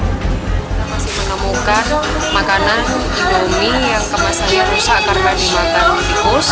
kita masih menemukan makanan ide yang kemasannya rusak karena dimakan di tikus